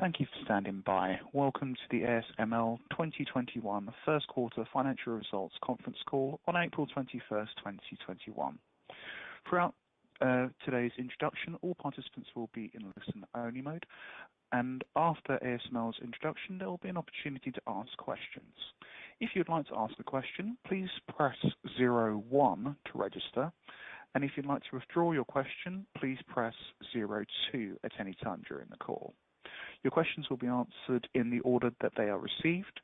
Thank you for standing by. Welcome to the ASML 2021 first quarter financial results conference call on April 21st, 2021. Throughout today's introduction, all participants will be in listen-only mode, and after ASML's introduction, there will be an opportunity to ask questions. If you'd like to ask a question, please press zero one to register. If you'd like to withdraw your question, please press zero two at anytime during the call. Your questions will be answered in the order that they are received.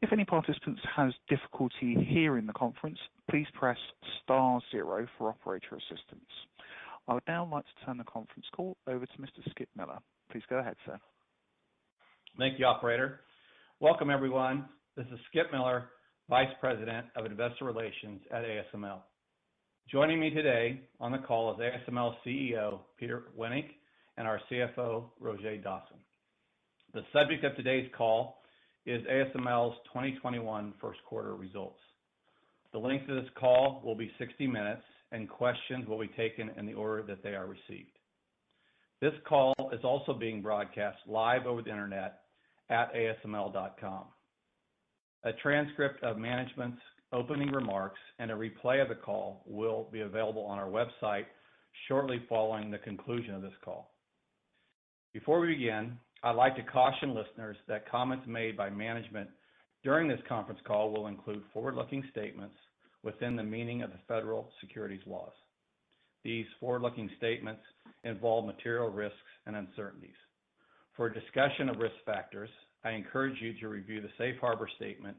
If any participants has difficuly hearing the conference, please press star zero for operator's assistance. I would now like to turn the conference call over to Mr. Skip Miller. Please go ahead, sir. Thank you, operator. Welcome everyone. This is Skip Miller, Vice President of Investor Relations at ASML. Joining me today on the call is ASML CEO, Peter Wennink, and our CFO, Roger Dassen. The subject of today's call is ASML's 2021 first quarter results. The length of this call will be 60 minutes, and questions will be taken in the order that they are received. This call is also being broadcast live over the internet at asml.com. A transcript of management's opening remarks and a replay of the call will be available on our website shortly following the conclusion of this call. Before we begin, I'd like to caution listeners that comments made by management during this conference call will include forward-looking statements within the meaning of the federal securities laws. These forward-looking statements involve material risks and uncertainties. For a discussion of risk factors, I encourage you to review the safe harbor statement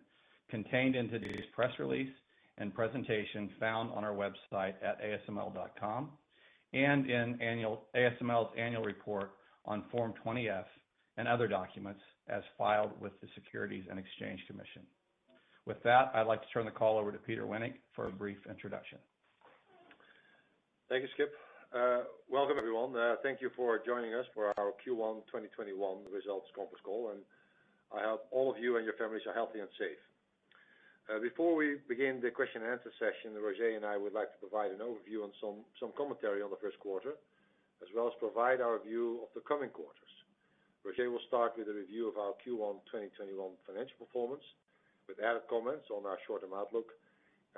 contained in today's press release and presentation found on our website at asml.com, and in ASML's annual report on Form 20-F and other documents as filed with the Securities and Exchange Commission. With that, I'd like to turn the call over to Peter Wennink for a brief introduction. Thank you, Skip. Welcome, everyone. Thank you for joining us for our Q1 2021 results conference call. I hope all of you and your families are healthy and safe. Before we begin the question-and-answer session, Roger and I would like to provide an overview and some commentary on the first quarter, as well as provide our view of the coming quarters. Roger will start with a review of our Q1 2021 financial performance, with added comments on our short-term outlook.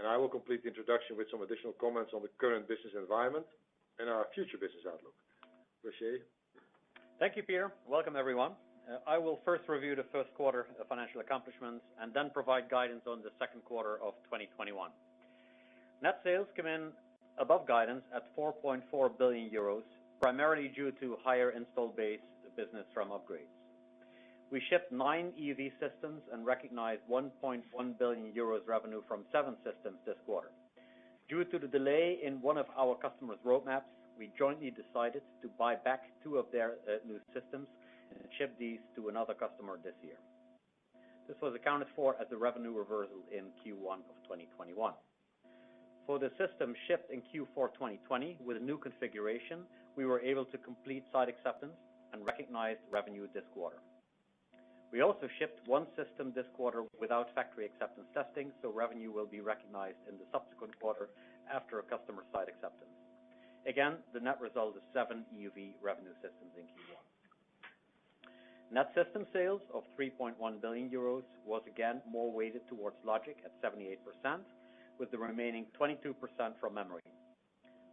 I will complete the introduction with some additional comments on the current business environment and our future business outlook. Roger. Thank you, Peter. Welcome, everyone. I will first review the first quarter financial accomplishments and then provide guidance on the second quarter of 2021. Net sales came in above guidance at 4.4 billion euros, primarily due to higher installed base business from upgrades. We shipped nine EUV systems and recognized 1.1 billion euros revenue from seven systems this quarter. Due to the delay in one of our customers' roadmaps, we jointly decided to buy back two of their new systems and ship these to another customer this year. This was accounted for as a revenue reversal in Q1 2021. For the system shipped in Q4 2020 with a new configuration, we were able to complete site acceptance and recognized revenue this quarter. We also shipped one system this quarter without factory acceptance testing, so revenue will be recognized in the subsequent quarter after a customer site acceptance. Again, the net result is seven EUV revenue systems in Q1. Net system sales of EUR 3.1 billion was again more weighted towards logic at 78%, with the remaining 22% from memory.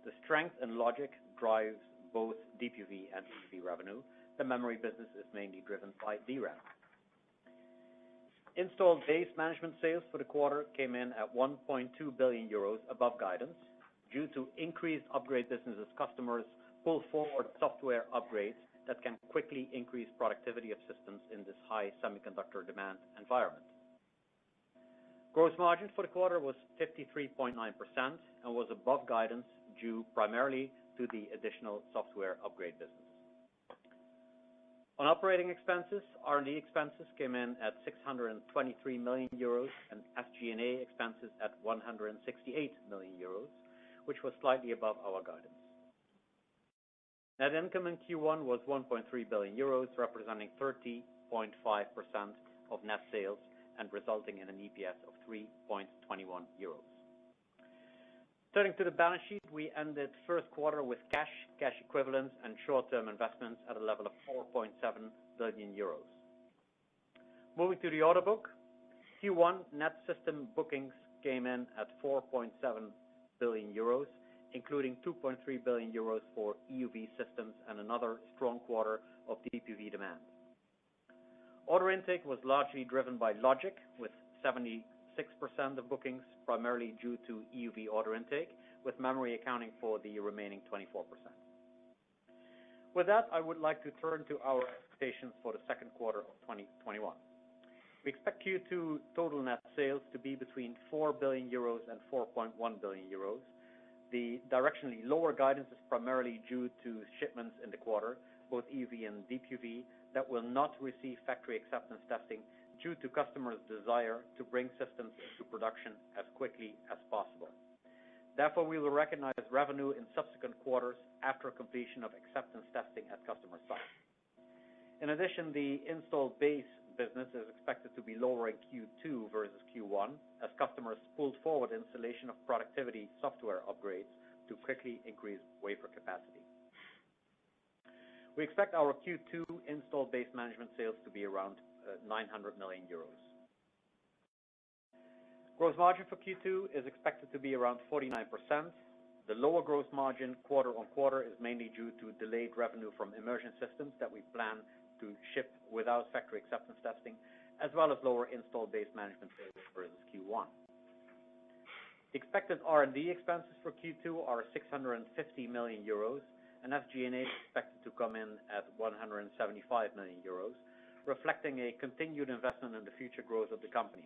The strength in logic drives both Deep UV and EUV revenue. The memory business is mainly driven by DRAM. Installed base management sales for the quarter came in at EUR 1.2 billion above guidance due to increased upgrade business as customers pull forward software upgrades that can quickly increase productivity of systems in this high semiconductor demand environment. Gross margin for the quarter was 53.9% and was above guidance due primarily to the additional software upgrade business. On operating expenses, R&D expenses came in at 623 million euros and SG&A expenses at 168 million euros, which was slightly above our guidance. Net income in Q1 was 1.3 billion euros, representing 30.5% of net sales and resulting in an EPS of 3.21 euros. Turning to the balance sheet, we ended the first quarter with cash equivalents, and short-term investments at a level of 4.7 billion euros. Moving to the order book, Q1 net system bookings came in at 4.7 billion euros, including 2.3 billion euros for EUV systems and another strong quarter of Deep UV demand. Order intake was largely driven by logic with 76% of bookings, primarily due to EUV order intake, with memory accounting for the remaining 24%. With that, I would like to turn to our expectations for the second quarter of 2021. We expect Q2 total net sales to be between 4 billion euros and 4.1 billion euros. The directionally lower guidance is primarily due to shipments in the quarter, both EUV and Deep UV, that will not receive factory acceptance testing due to customers' desire to bring systems to production as quickly as possible. Therefore, we will recognize revenue in subsequent quarters after completion of acceptance testing at customer sites. In addition, the installed base business is expected to be lower in Q2 versus Q1 as customers pulled forward installation of productivity software upgrades to quickly increase wafer capacity. We expect our Q2 installed base management sales to be around 900 million euros. Gross margin for Q2 is expected to be around 49%. The lower gross margin quarter-on-quarter is mainly due to delayed revenue from immersion systems that we plan to ship without factory acceptance testing, as well as lower installed base management sales versus Q1. Expected R&D expenses for Q2 are 650 million euros, and SG&A is expected to come in at 175 million euros, reflecting a continued investment in the future growth of the company.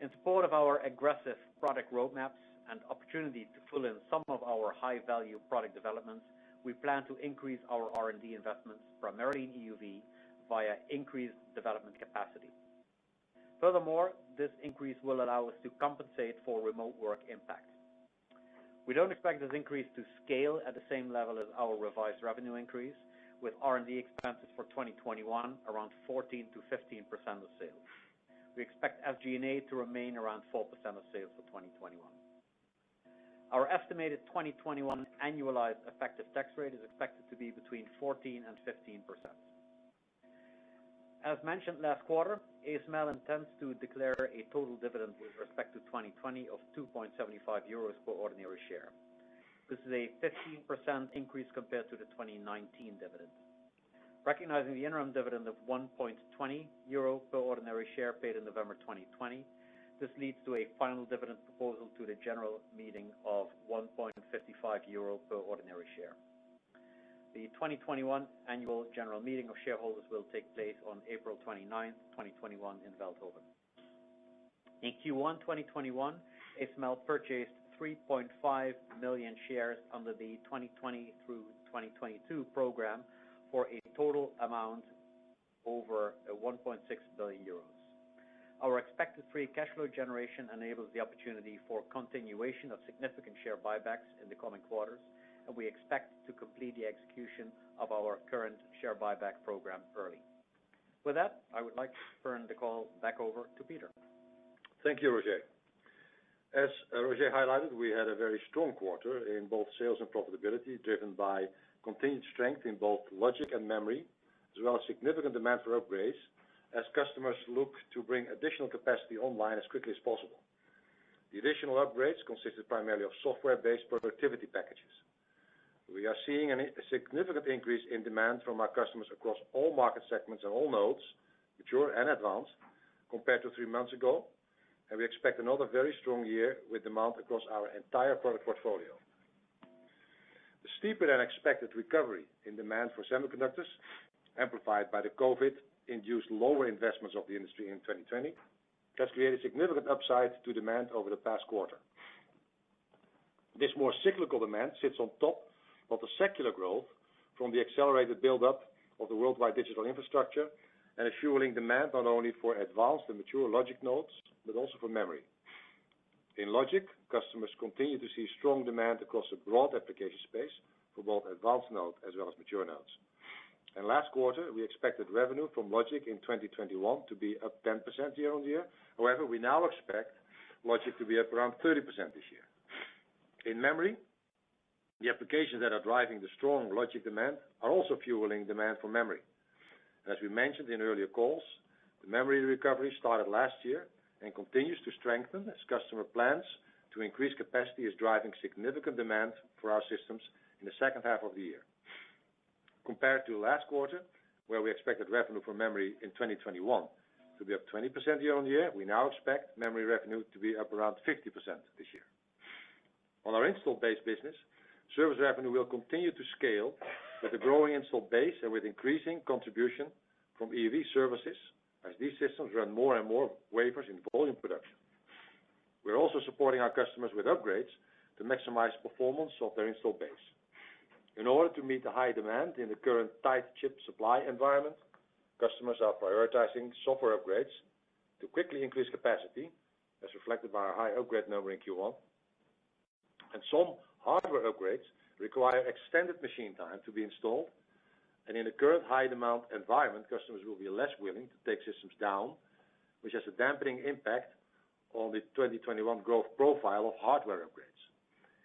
In support of our aggressive product roadmaps and opportunity to fill in some of our high-value product developments, we plan to increase our R&D investments, primarily in EUV, via increased development capacity. Furthermore, this increase will allow us to compensate for remote work impacts. We don't expect this increase to scale at the same level as our revised revenue increase, with R&D expenses for 2021 around 14%-15% of sales. We expect SG&A to remain around 4% of sales for 2021. Our estimated 2021 annualized effective tax rate is expected to be between 14% and 15%. As mentioned last quarter, ASML intends to declare a total dividend with respect to 2020 of 2.75 euros per ordinary share. This is a 15% increase compared to the 2019 dividend. Recognizing the interim dividend of 1.20 euro per ordinary share paid in November 2020, this leads to a final dividend proposal to the general meeting of 1.55 euro per ordinary share. The 2021 annual general meeting of shareholders will take place on April 29th, 2021 in Veldhoven. In Q1 2021, ASML purchased 3.5 million shares under the 2020 through 2022 program for a total amount over 1.6 billion euros. Our expected free cash flow generation enables the opportunity for continuation of significant share buybacks in the coming quarters, and we expect to complete the execution of our current share buyback program early. With that, I would like to turn the call back over to Peter. Thank you, Roger. As Roger highlighted, we had a very strong quarter in both sales and profitability, driven by continued strength in both logic and memory, as well as significant demand for upgrades as customers look to bring additional capacity online as quickly as possible. The additional upgrades consisted primarily of software-based productivity packages. We are seeing a significant increase in demand from our customers across all market segments and all nodes, mature and advanced, compared to three months ago, and we expect another very strong year with demand across our entire product portfolio. The steeper than expected recovery in demand for semiconductors, amplified by the COVID-induced lower investments of the industry in 2020, has created significant upside to demand over the past quarter. This more cyclical demand sits on top of the secular growth from the accelerated buildup of the worldwide digital infrastructure and is fueling demand not only for advanced and mature logic nodes, but also for memory. In logic, customers continue to see strong demand across a broad application space for both advanced node as well as mature nodes. In last quarter, we expected revenue from logic in 2021 to be up 10% year-on-year. However, we now expect logic to be up around 30% this year. In memory, the applications that are driving the strong logic demand are also fueling demand for memory. As we mentioned in earlier calls, the memory recovery started last year and continues to strengthen as customer plans to increase capacity is driving significant demand for our systems in the second half of the year. Compared to last quarter, where we expected revenue for memory in 2021 to be up 20% year-on-year, we now expect memory revenue to be up around 50% this year. On our installed base business, service revenue will continue to scale with the growing installed base and with increasing contribution from EUV services as these systems run more and more wafers in volume production. We are also supporting our customers with upgrades to maximize performance of their installed base. In order to meet the high demand in the current tight chip supply environment, customers are prioritizing software upgrades to quickly increase capacity, as reflected by our high upgrade number in Q1. Some hardware upgrades require extended machine time to be installed, and in the current high demand environment, customers will be less willing to take systems down, which has a dampening impact on the 2021 growth profile of hardware upgrades.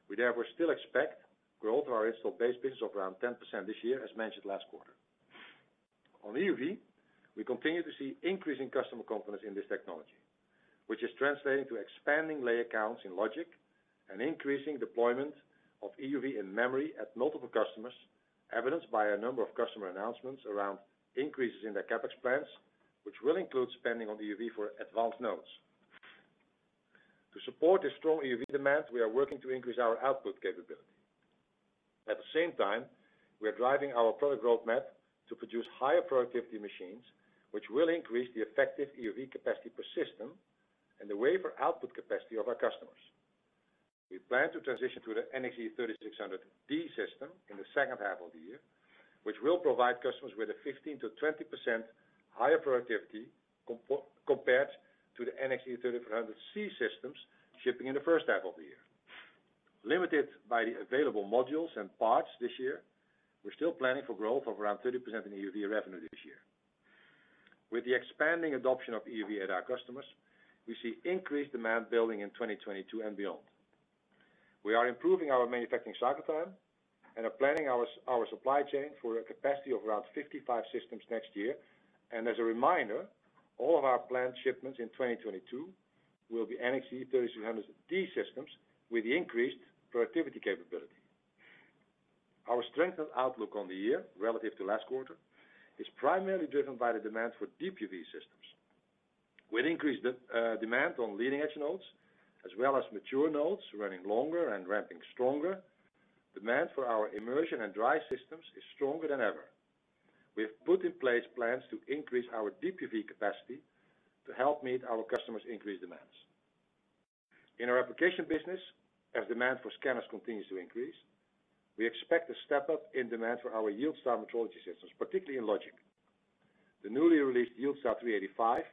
We therefore still expect growth of our installed base business of around 10% this year, as mentioned last quarter. On EUV, we continue to see increasing customer confidence in this technology, which is translating to expanding layer counts in logic and increasing deployment of EUV in memory at multiple customers, evidenced by a number of customer announcements around increases in their CapEx plans, which will include spending on EUV for advanced nodes. To support the strong EUV demand, we are working to increase our output capability. At the same time, we are driving our product roadmap to produce higher productivity machines, which will increase the effective EUV capacity per system and the wafer output capacity of our customers. We plan to transition to the NXE:3600D system in the second half of the year, which will provide customers with a 15%-20% higher productivity compared to the NXE:3600C systems shipping in the first half of the year. Limited by the available modules and parts this year, we're still planning for growth of around 30% in EUV revenue this year. With the expanding adoption of EUV at our customers, we see increased demand building in 2022 and beyond. We are improving our manufacturing cycle time and are planning our supply chain for a capacity of around 55 systems next year. As a reminder, all of our planned shipments in 2022 will be NXE:3600D systems with the increased productivity capability. Our strengthened outlook on the year relative to last quarter is primarily driven by the demand for Deep UV systems. With increased demand on leading-edge nodes, as well as mature nodes running longer and ramping stronger, demand for our immersion and dry systems is stronger than ever. We have put in place plans to increase our Deep UV capacity to help meet our customers' increased demands. In our application business, as demand for scanners continues to increase, we expect a step-up in demand for our YieldStar metrology systems, particularly in logic. The newly released YieldStar 385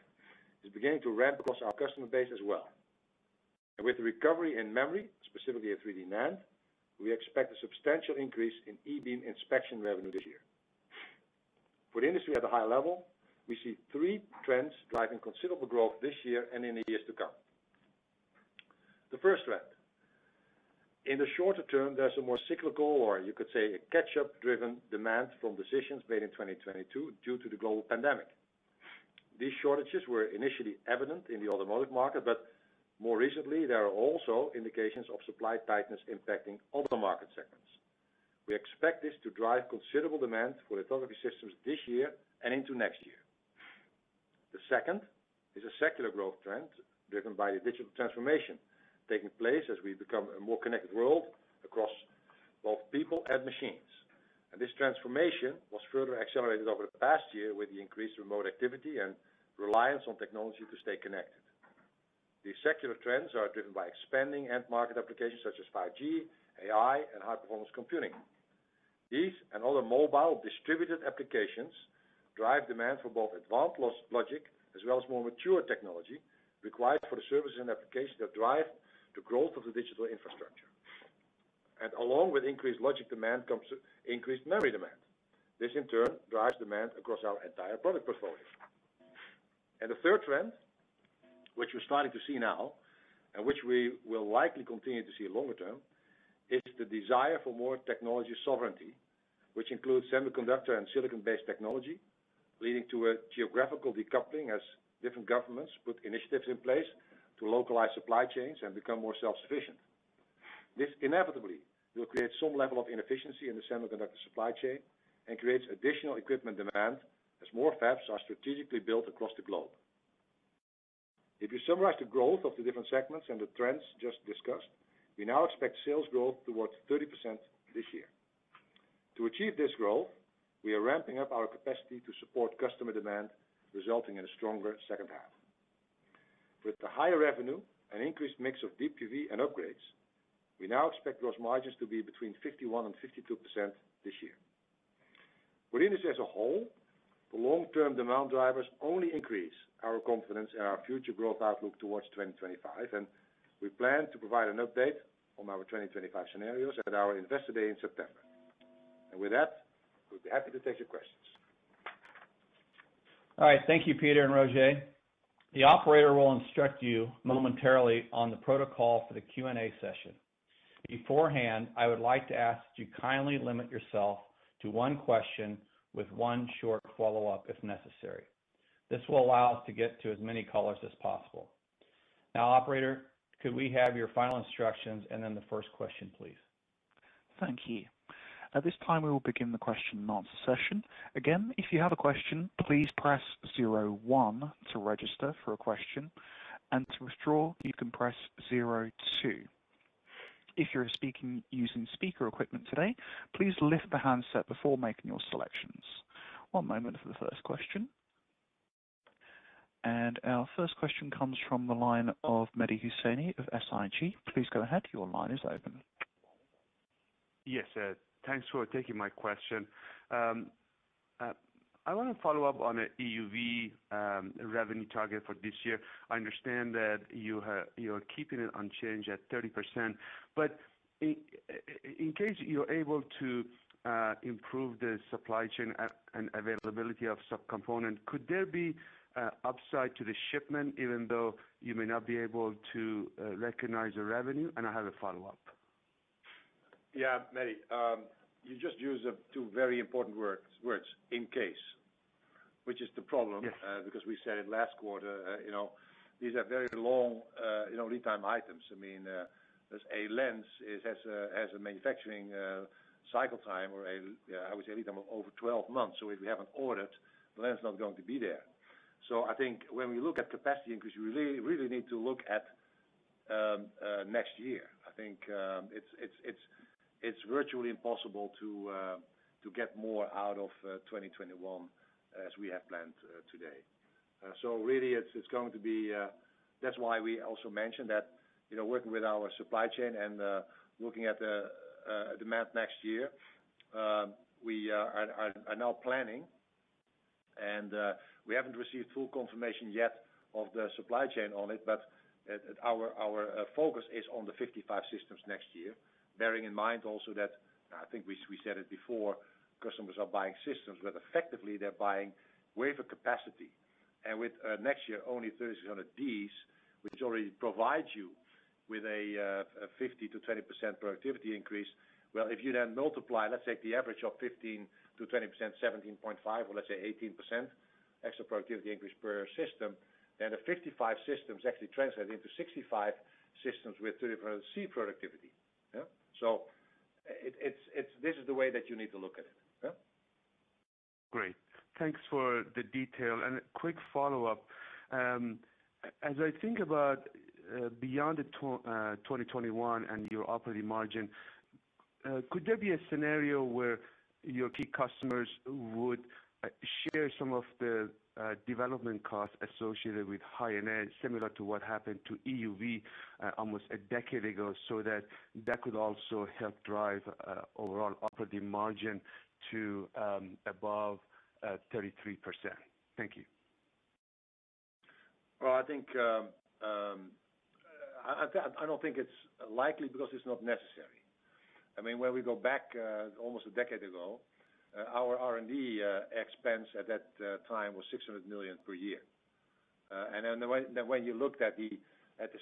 is beginning to ramp across our customer base as well. With the recovery in memory, specifically of 3D NAND, we expect a substantial increase in E-beam inspection revenue this year. For the industry at a high level, we see three trends driving considerable growth this year and in the years to come. The first trend, in the shorter term, there's a more cyclical, or you could say a catch-up driven demand from decisions made in 2022 due to the global pandemic. These shortages were initially evident in the automotive market, but more recently, there are also indications of supply tightness impacting other market segments. We expect this to drive considerable demand for lithography systems this year and into next year. The second is a secular growth trend driven by the digital transformation taking place as we become a more connected world across both people and machines. This transformation was further accelerated over the past year with the increased remote activity and reliance on technology to stay connected. These secular trends are driven by expanding end-market applications such as 5G, AI, and high-performance computing. These and other mobile distributed applications drive demand for both advanced logic as well as more mature technology required for the services and applications that drive the growth of the digital infrastructure. Along with increased logic demand comes increased memory demand. This, in turn, drives demand across our entire product portfolio. The third trend, which we're starting to see now, and which we will likely continue to see longer term, is the desire for more technology sovereignty, which includes semiconductor and silicon-based technology, leading to a geographical decoupling as different governments put initiatives in place to localize supply chains and become more self-sufficient. This inevitably will create some level of inefficiency in the semiconductor supply chain and creates additional equipment demand as more fabs are strategically built across the globe. If you summarize the growth of the different segments and the trends just discussed, we now expect sales growth towards 30% this year. To achieve this growth, we are ramping up our capacity to support customer demand, resulting in a stronger second half. With the higher revenue and increased mix of Deep UV and upgrades, we now expect gross margins to be between 51% and 52% this year. For the industry as a whole, the long-term demand drivers only increase our confidence in our future growth outlook towards 2025, and we plan to provide an update on our 2025 scenarios at our Investor Day in September. With that, we'd be happy to take your questions. All right. Thank you, Peter and Roger. The operator will instruct you momentarily on the protocol for the Q&A session. Beforehand, I would like to ask that you kindly limit yourself to one question with one short follow-up if necessary. This will allow us to get to as many callers as possible. Now, operator, could we have your final instructions and then the first question, please? Thank you. At this time, we will begin the question-and-answer session. Again, if you have a question, please press zero one to register for question. To withdraw you, you can press zero two. If your speaking using speaker today, please lift your handset before making your selections. One moment to the first question. Our first question comes from the line of Mehdi Hosseini of SIG. Please go ahead. Your line is open. Yes, thanks for taking my question. I want to follow-up on the EUV revenue target for this year. I understand that you're keeping it unchanged at 30%, but in case you're able to improve the supply chain and availability of sub-component, could there be upside to the shipment even though you may not be able to recognize the revenue? I have a follow-up. Yeah, Mehdi. You just used two very important words, in case, which is the problem. Yes. because we said it last quarter. These are very long lead time items. A lens has a manufacturing cycle time, or I would say lead time of over 12 months. If we haven't ordered, the lens is not going to be there. I think when we look at capacity increase, we really need to look at next year. I think it's virtually impossible to get more out of 2021 as we have planned today. Really, that's why we also mentioned that working with our supply chain and looking at the demand next year, we are now planning. We haven't received full confirmation yet of the supply chain on it, but our focus is on the 55 systems next year. Bearing in mind also that, I think we said it before, customers are buying systems, but effectively they're buying wafer capacity. With next year, only 3600Ds, which already provides you with a 15%-20% productivity increase. If you multiply, let's take the average of 15%-20%, 17.5%, or let's say 18% extra productivity increase per system, then the 55 systems actually translate into 65 systems with 3400C productivity. This is the way that you need to look at it. Great. Thanks for the detail. A quick follow-up. As I think about beyond 2021 and your operating margin, could there be a scenario where your key customers would share some of the development costs associated with High NA, similar to what happened to EUV almost a decade ago, so that could also help drive overall operating margin to above 33%? Thank you. Well, I don't think it's likely because it's not necessary. When we go back almost a decade ago, our R&D expense at that time was 600 million per year. When you looked at the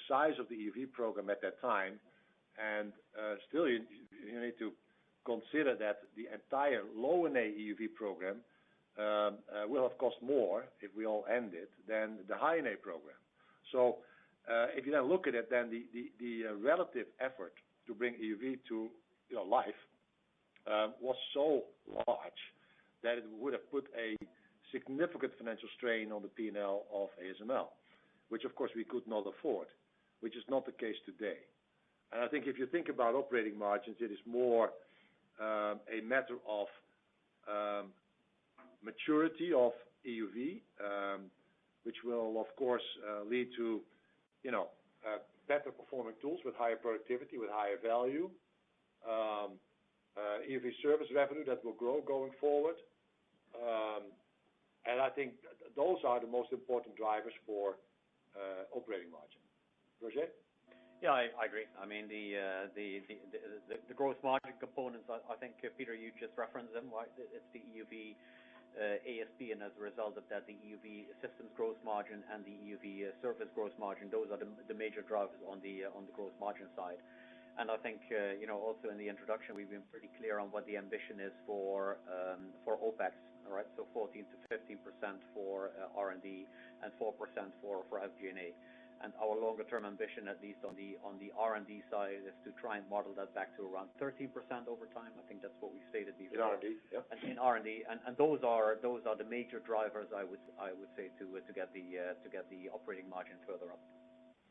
size of the EUV program at that time, and still you need to consider that the entire Low NA EUV program will have cost more, if we all end it, than the High NA program. If you now look at it, then the relative effort to bring EUV to life was so large that it would have put a significant financial strain on the P&L of ASML, which of course we could not afford, which is not the case today. I think if you think about operating margins, it is more a matter of maturity of EUV, which will, of course, lead to better performing tools with higher productivity, with higher value. EUV service revenue that will grow going forward. I think those are the most important drivers for operating margin. Roger? Yeah, I agree. The gross margin components, I think, Peter, you just referenced them. It's the EUV ASP, and as a result of that, the EUV systems gross margin and the EUV service gross margin. Those are the major drivers on the gross margin side. I think, also in the introduction, we've been pretty clear on what the ambition is for OPEX. 14%-15% for R&D and 4% for SG&A. Our longer-term ambition, at least on the R&D side, is to try and model that back to around 13% over time. I think that's what we've stated before. In R&D. Yep. In R&D. Those are the major drivers, I would say, to get the operating margin further up.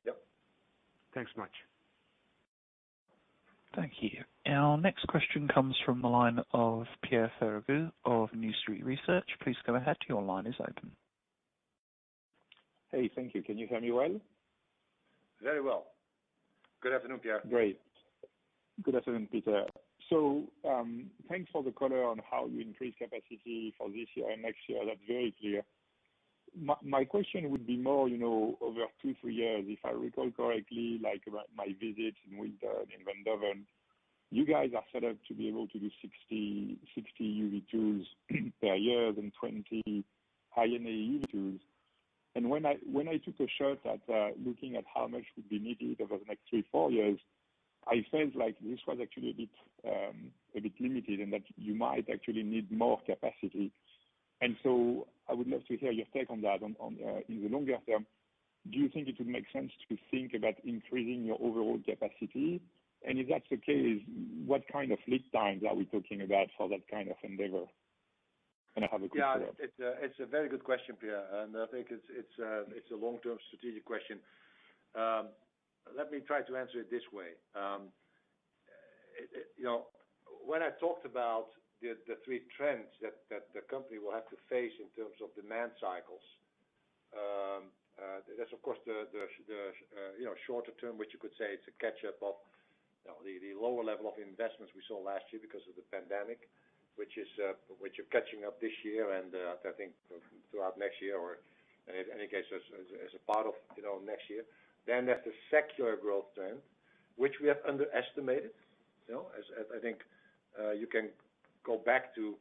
Yep. Thanks much. Thank you. Our next question comes from the line of Pierre Ferragu of New Street Research. Please go ahead. Your line is open. Hey, thank you. Can you hear me well? Very well. Good afternoon, Pierre. Great. Good afternoon, Peter. Thanks for the color on how you increase capacity for this year and next year. That's very clear. My question would be more, over two, three years, if I recall correctly, like my visit in winter in Veldhoven, you guys are set up to be able to do 60 EUV tools per year and 20 High NA EUV tools. When I took a shot at looking at how much would be needed over the next three, four years, I felt like this was actually a bit limited, and that you might actually need more capacity. I would love to hear your take on that. In the longer term, do you think it would make sense to think about increasing your overall capacity? If that's the case, what kind of lead times are we talking about for that kind of endeavor? I have a quick follow-up. Yeah. It's a very good question, Pierre. I think it's a long-term strategic question. Let me try to answer it this way. When I talked about the three trends that the company will have to face in terms of demand cycles, there's of course the shorter term, which you could say it's a catch-up of the lower level of investments we saw last year because of the pandemic, which you're catching up this year and I think throughout next year, or in any case, as a part of next year. There's the secular growth trend, which we have underestimated. As I think you can go back to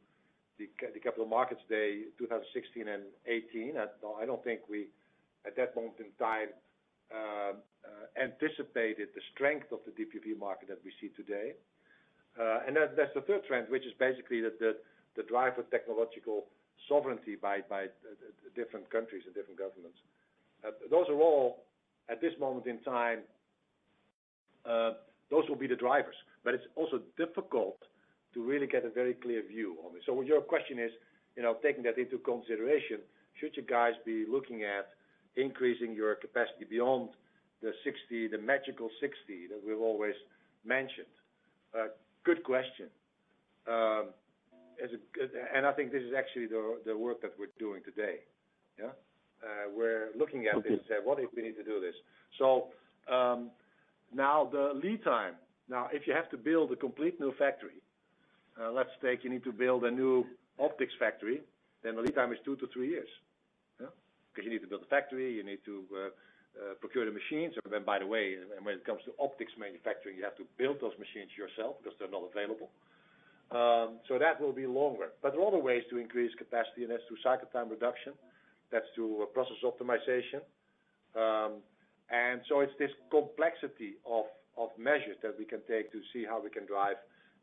the Capital Markets Day 2016 and 2018, I don't think we, at that moment in time, anticipated the strength of the Deep UV market as we see today. There's the third trend, which is basically the drive for technological sovereignty by different countries and different governments. Those are all, at this moment in time, those will be the drivers, but it's also difficult to really get a very clear view on this. Your question is, taking that into consideration, should you guys be looking at increasing your capacity beyond the magical 60 that we've always mentioned? Good question. I think this is actually the work that we're doing today. Yeah? Okay. We're looking at and say, "What if we need to do this?" Now the lead time. Now, if you have to build a complete new factory, let's take you need to build a new optics factory, then the lead time is two to three years. Because you need to build a factory, you need to procure the machines. Then, by the way, when it comes to optics manufacturing, you have to build those machines yourself because they're not available. That will be longer. There are other ways to increase capacity, and that's through cycle time reduction. That's through process optimization. It's this complexity of measures that we can take to see how we can drive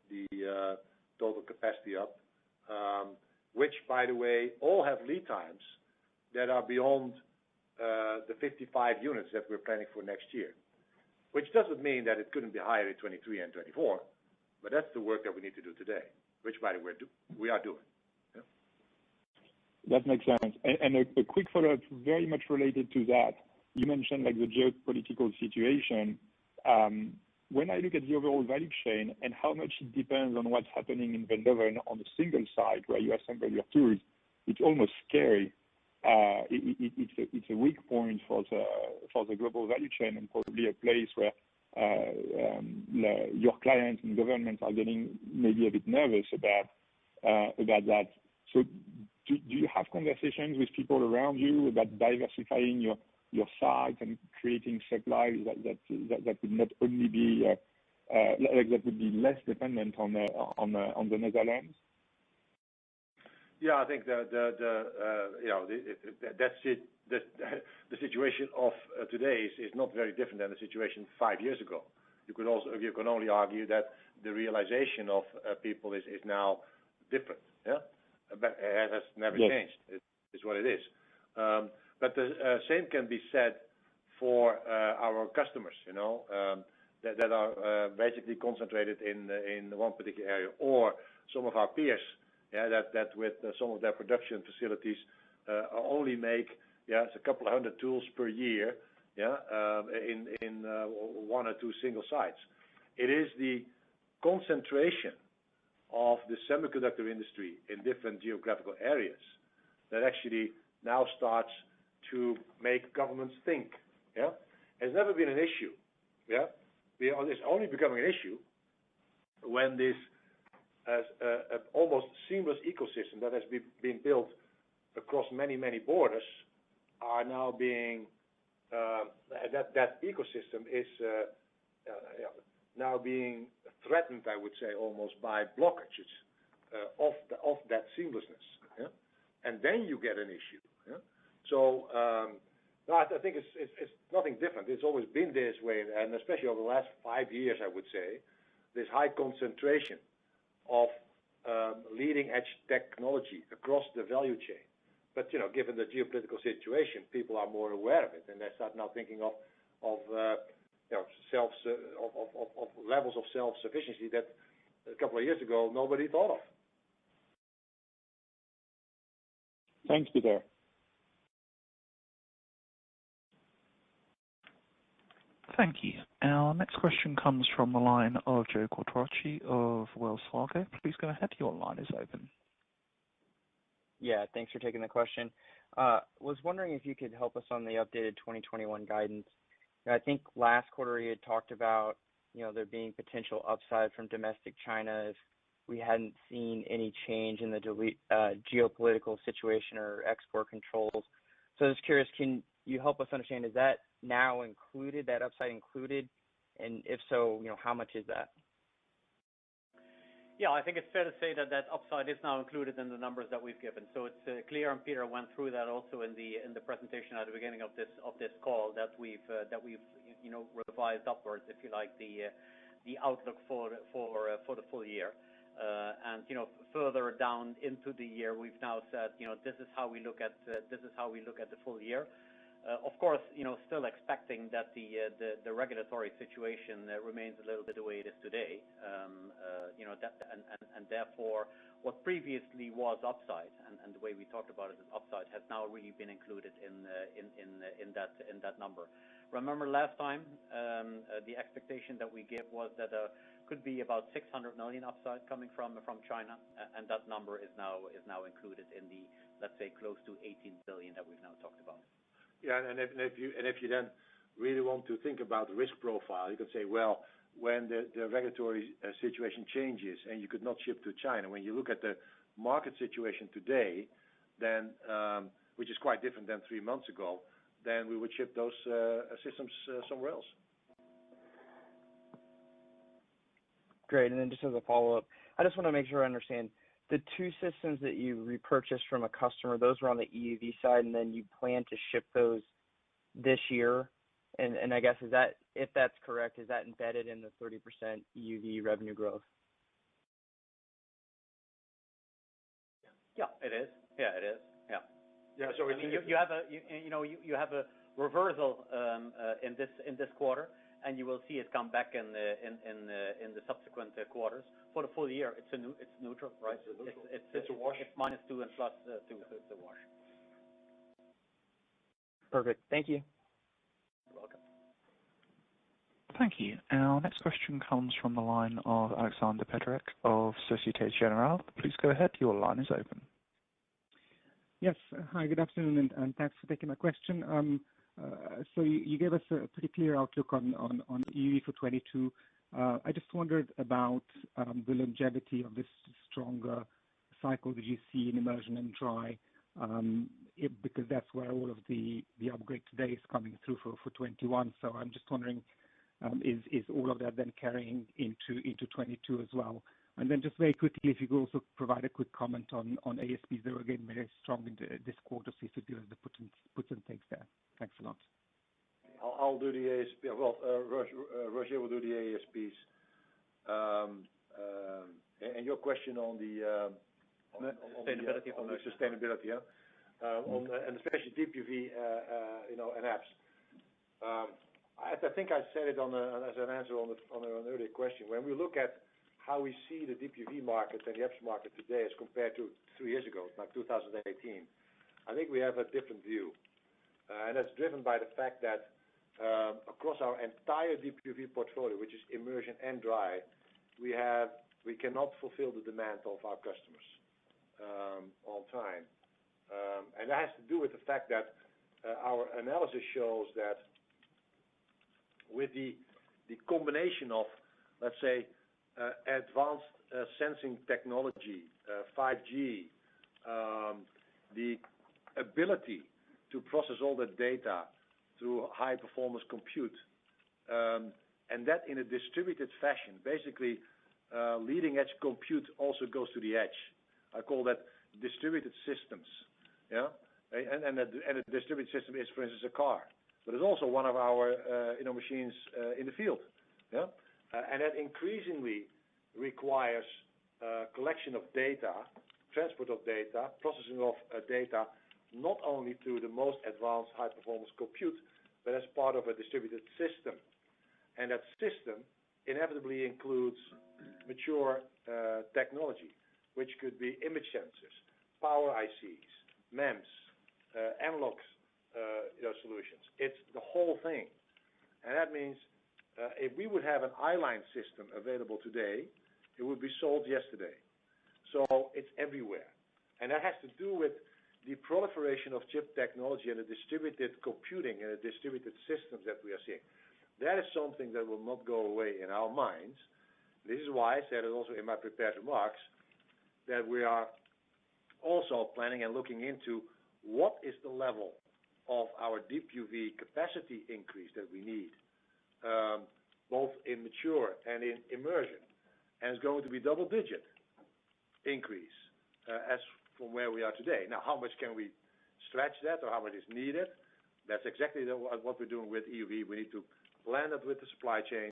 the total capacity up, which by the way, all have lead times that are beyond the 55 units that we're planning for next year. It doesn't mean that it couldn't be higher in 2023 and 2024, but that's the work that we need to do today, which by the way, we are doing. That makes sense. A quick follow-up, very much related to that, you mentioned the geopolitical situation. When I look at the overall value chain and how much it depends on what's happening in Veldhoven on a single site where you assemble your tools, it's almost scary. It's a weak point for the global value chain and probably a place where your clients and governments are getting maybe a bit nervous about that. Do you have conversations with people around you about diversifying your sites and creating supply that would be less dependent on the Netherlands? Yeah, I think the situation of today is not very different than the situation five years ago. You can only argue that the realization of people is now different. It has never changed. Yes. It is what it is. The same can be said for our customers that are basically concentrated in one particular area, or some of our peers that with some of their production facilities, only make a couple of 100 tools per year in one or two single sites. It is the concentration of the semiconductor industry in different geographical areas that actually now starts to make governments think. It has never been an issue. It is only becoming an issue when this almost seamless ecosystem that has been built across many, many borders, that ecosystem is now being threatened, I would say, almost by blockages of that seamlessness. You get an issue. No, I think it is nothing different. It has always been this way, and especially over the last five years, I would say, this high concentration of leading-edge technology across the value chain. Given the geopolitical situation, people are more aware of it, and they start now thinking of levels of self-sufficiency that a couple of years ago, nobody thought of. Thanks, Peter. Thank you. Our next question comes from the line of Joe Quatrochi of Wells Fargo. Please go ahead, your line is open. Yeah. Thanks for taking the question. I was wondering if you could help us on the updated 2021 guidance. I think last quarter you had talked about there being potential upside from domestic China if we hadn't seen any change in the geopolitical situation or export controls. I was curious, can you help us understand, is that now included, that upside included? If so, how much is that? I think it's fair to say that that upside is now included in the numbers that we've given. It's clear, and Peter went through that also in the presentation at the beginning of this call, that we've revised upwards, if you like, the outlook for the full year. Further down into the year, we've now said, "This is how we look at the full year." Of course, still expecting that the regulatory situation remains a little bit the way it is today. Therefore, what previously was upside, and the way we talked about it as upside, has now really been included in that number. Remember last time, the expectation that we gave was that could be about 600 million upside coming from China, and that number is now included in the, let's say, close to 18 billion that we've now talked about. Yeah, if you then really want to think about risk profile, you can say, well, when the regulatory situation changes and you could not ship to China, when you look at the market situation today, which is quite different than three months ago, we would ship those systems somewhere else. Great. Just as a follow-up, I just want to make sure I understand. The two systems that you repurchased from a customer, those were on the EUV side, and then you plan to ship those this year? I guess if that's correct, is that embedded in the 30% EUV revenue growth? Yeah, it is. Yeah. You have a reversal in this quarter, and you will see it come back in the subsequent quarters. For the full year, it's neutral, right? It's neutral. It's- It's a wash. minus two and plus two. It's a wash. Perfect. Thank you. Thank you. Our next question comes from the line of Alexander Peterc of Societe Generale. Please go ahead. Your line is open. Yes. Hi, good afternoon, and thanks for taking my question. You gave us a pretty clear outlook on EUV for 2022. I just wondered about the longevity of this stronger cycle that you see in immersion and dry, because that's where all of the upgrade today is coming through for 2021. I'm just wondering, is all of that then carrying into 2022 as well? Then just very quickly, if you could also provide a quick comment on ASPs there again, very strong in this quarter, see if it puts and takes there. Thanks a lot. Roger will do the ASPs. Your question on the... Sustainability. on the sustainability. Especially Deep UV, and Apps. I think I said it as an answer on an earlier question. When we look at how we see the Deep UV market and the Apps market today as compared to three years ago, like 2018, I think we have a different view. That's driven by the fact that across our entire Deep UV portfolio, which is immersion and dry, we cannot fulfill the demand of our customers on time. That has to do with the fact that our analysis shows that with the combination of, let's say, advanced sensing technology, 5G, the ability to process all the data through high-performance compute, and that in a distributed fashion, basically, leading-edge compute also goes to the edge. I call that distributed systems. A distributed system is, for instance, a car, but it's also one of our inner machines in the field. That increasingly requires collection of data, transport of data, processing of data, not only through the most advanced high-performance compute, but as part of a distributed system. That system inevitably includes mature technology, which could be image sensors, power ICs, MEMS, analog solutions. It's the whole thing. That means if we would have an i-line system available today, it would be sold yesterday. It's everywhere. That has to do with the proliferation of chip technology and the distributed computing and the distributed systems that we are seeing. That is something that will not go away in our minds. This is why I said it also in my prepared remarks, that we are also planning and looking into what is the level of our Deep UV capacity increase that we need, both in mature and in immersion. It's going to be double-digit increase, as from where we are today. Now, how much can we stretch that or how much is needed? That's exactly what we're doing with EUV. We need to plan it with the supply chain.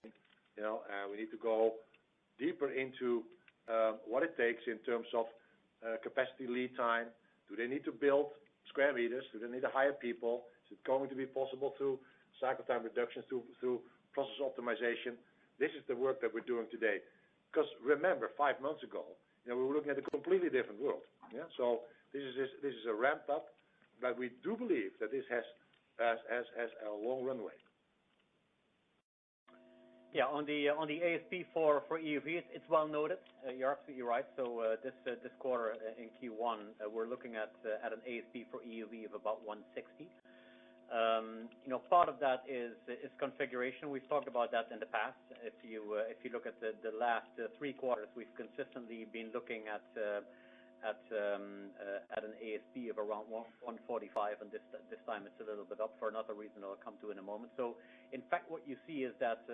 We need to go deeper into what it takes in terms of capacity lead time. Do they need to build square meters? Do they need to hire people? Is it going to be possible through cycle time reductions, through process optimization? This is the work that we're doing today. Because remember, five months ago, we were looking at a completely different world. This is a ramp-up, but we do believe that this has a long runway. Yeah. On the ASP for EUVs, it's well noted. You're absolutely right. This quarter in Q1, we're looking at an ASP for EUV of about 160. Part of that is configuration. We've talked about that in the past. If you look at the last three quarters, we've consistently been looking at an ASP of around 145, and this time it's a little bit up for another reason I'll come to in a moment. In fact, what you see is that,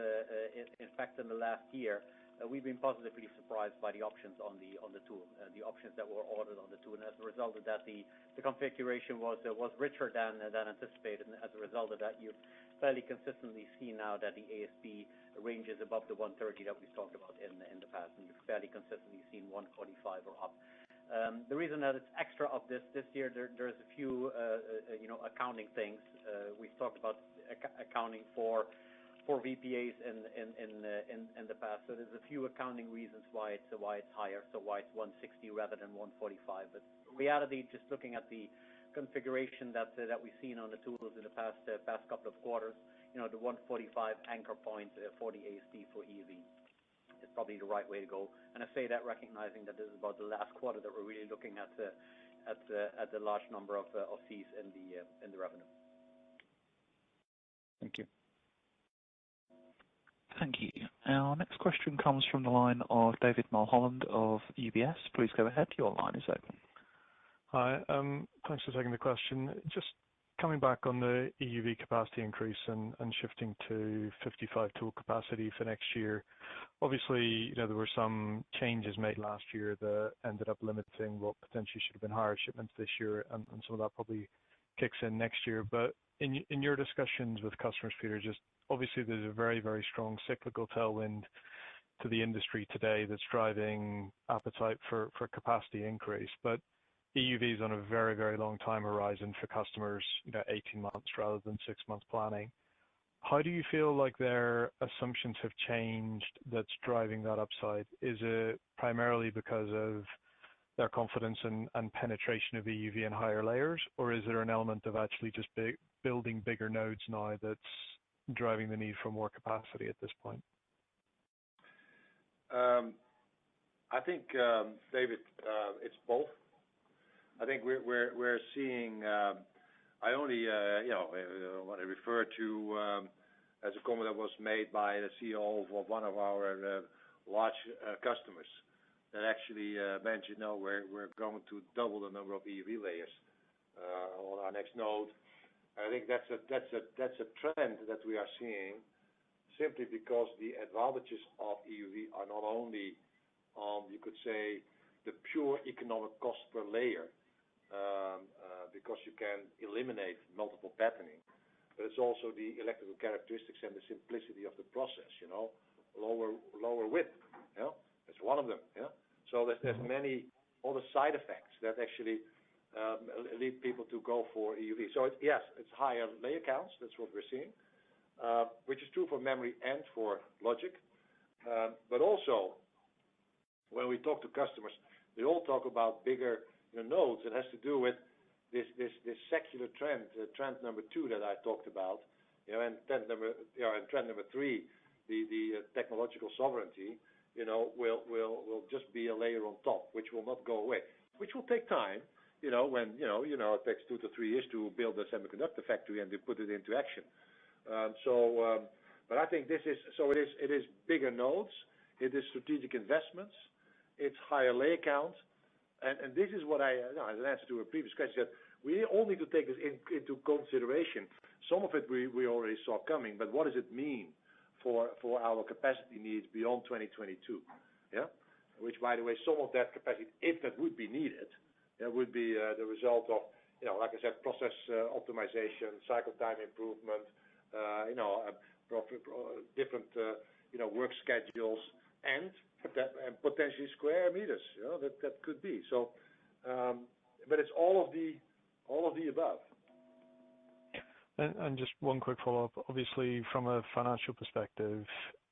in fact, in the last year, we've been positively surprised by the options on the tool, the options that were ordered on the tool. As a result of that, the configuration was richer than anticipated. As a result of that, you've fairly consistently seen now that the ASP range is above the 130 that we've talked about in the past, and you've fairly consistently seen 145 or up. The reason that it's extra up this year. There's a few accounting things. We've talked about accounting for VPAs in the past. There's a few accounting reasons why it's higher, so why it's 160 rather than 145. The reality, just looking at the configuration that we've seen on the tools in the past couple of quarters, the 145 anchor point for the ASP for EUV is probably the right way to go. I say that recognizing that this is about the last quarter that we're really looking at the large number of C's in the revenue. Thank you. Thank you. Our next question comes from the line of David Mulholland of UBS. Please go ahead. Your line is open. Hi. Thanks for taking the question. Just coming back on the EUV capacity increase and shifting to 55 tool capacity for next year. Obviously, there were some changes made last year that ended up limiting what potentially should have been higher shipments this year, and some of that probably kicks in next year. In your discussions with customers, Peter, just obviously there's a very, very strong cyclical tailwind to the industry today that's driving appetite for capacity increase, but EUV is on a very, very long-time horizon for customers, 18 months rather than six months planning. How do you feel like their assumptions have changed that's driving that upside? Is it primarily because of their confidence and penetration of EUV and higher layers? Or is there an element of actually just building bigger nodes now that's driving the need for more capacity at this point? I think, David, it's both. I want to refer to a comment that was made by the CEO of one of our large customers, that actually mentioned we're going to double the number of EUV layers on our next node. I think that's a trend that we are seeing simply because the advantages of EUV are not only, you could say, the pure economic cost per layer, because you can eliminate multiple patterning. It's also the electrical characteristics and the simplicity of the process. Lower width. That's one of them. There's many other side effects that actually lead people to go for EUV. Yes, it's higher layer counts. That's what we're seeing, which is true for memory and for logic. Also, when we talk to customers, they all talk about bigger nodes. It has to do with this secular trend number two that I talked about. Trend number three, the technological sovereignty, will just be a layer on top, which will not go away. Which will take time, it takes two to three years to build a semiconductor factory, and they put it into action. It is bigger nodes, it is strategic investments, it's higher layer counts, and this is what I, as an answer to a previous question, we all need to take this into consideration. Some of it we already saw coming, but what does it mean for our capacity needs beyond 2022? Which, by the way, some of that capacity, if that would be needed, would be the result of, like I said, process optimization, cycle time improvement, different work schedules, and potentially square meters. That could be. It's all of the above. Just one quick follow-up. Obviously, from a financial perspective,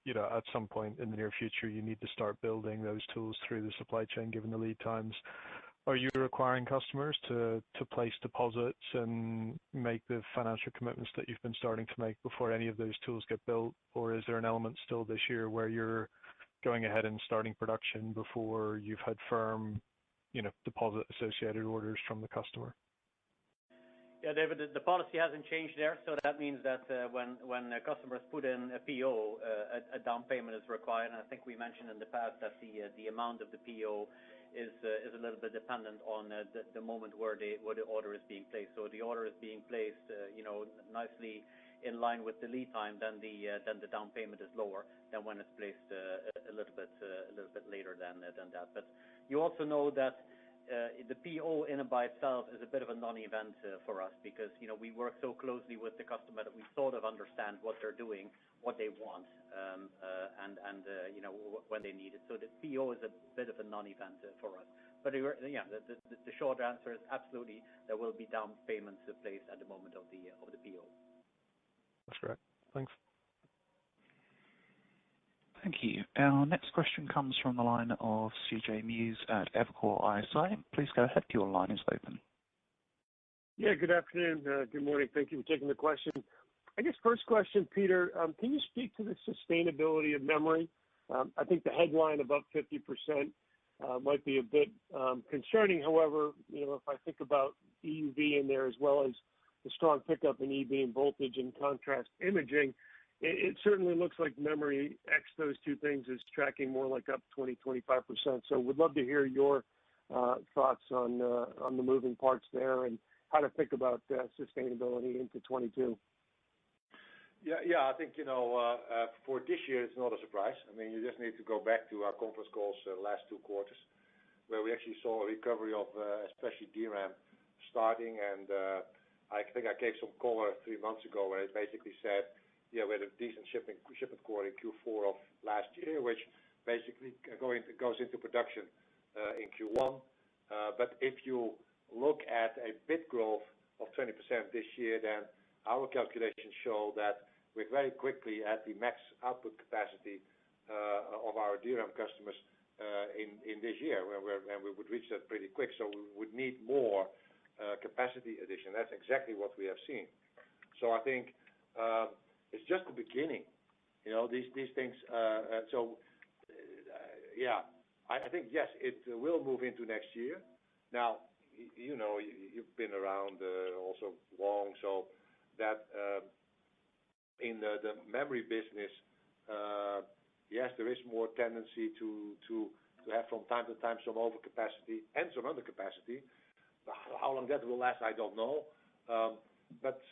at some point in the near future, you need to start building those tools through the supply chain, given the lead times. Are you requiring customers to place deposits and make the financial commitments that you've been starting to make before any of those tools get built? Or is there an element still this year where you're going ahead and starting production before you've had firm deposit-associated orders from the customer? Yeah, David, the policy hasn't changed there, that means that when a customer has put in a PO, a down payment is required. I think we mentioned in the past that the amount of the PO is a little bit dependent on the moment where the order is being placed. The order is being placed nicely in line with the lead time, the down payment is lower than when it's placed a little bit later than that. You also know that the PO in and by itself is a bit of a non-event for us because we work so closely with the customer that we sort of understand what they're doing, what they want, and when they need it. The PO is a bit of a non-event for us. Yeah, the short answer is absolutely, there will be down payments in place at the moment of the PO. That's correct. Thanks. Thank you. Our next question comes from the line of CJ Muse at Evercore ISI. Please go ahead, your line is open. Yeah, good afternoon. Good morning. Thank you for taking the question. I guess first question, Peter, can you speak to the sustainability of memory? I think the headline above 50% might be a bit concerning. However, if I think about EUV in there as well as the strong pickup in EUV and voltage contrast imaging, it certainly looks like memory, X, those two things as tracking more like up 20%-25%. Would love to hear your thoughts on the moving parts there and how to think about sustainability into 2022. I think, for this year, it's not a surprise. You just need to go back to our conference calls the last two quarters, where we actually saw a recovery of especially DRAM starting and, I think I gave some color three months ago where I basically said, we had a decent shipment quarter in Q4 of last year, which basically goes into production in Q1. If you look at a bit growth of 20% this year, our calculations show that we're very quickly at the max output capacity of our DRAM customers in this year, where we would reach that pretty quick. We would need more capacity addition. That's exactly what we have seen. I think it's just the beginning. I think yes, it will move into next year. You've been around also long, in the memory business, yes, there is more tendency to have from time to time some overcapacity and some undercapacity. How long that will last, I don't know.